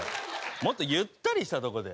もっとゆったりしたとこで。